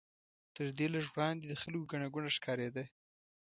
تر دې لږ وړاندې د خلکو ګڼه ګوڼه ښکارېده.